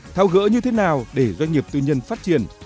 thao gỡ như thế nào để doanh nghiệp tư nhân phát triển